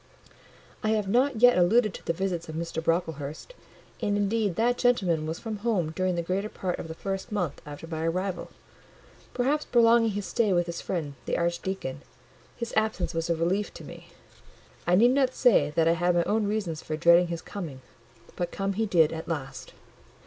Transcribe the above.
I have not yet alluded to the visits of Mr. Brocklehurst; and indeed that gentleman was from home during the greater part of the first month after my arrival; perhaps prolonging his stay with his friend the archdeacon: his absence was a relief to me. I need not say that I had my own reasons for dreading his coming: but come he did at last.